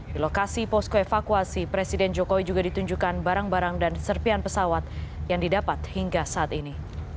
di lokasi posko evakuasi presiden jokowi juga ditunjukkan barang barang dan serpian pesawat yang didapat hingga saat ini